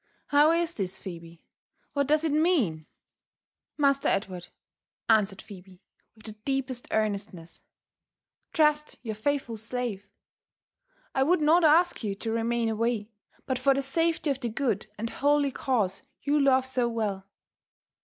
How is this, Phebe? What does it mean?" '' Master Edward," answered Phebe with the deepest earnestness, trust to your faithful slave. I would not ask you to remain away, but for the safety of the good and holy cause you love so well.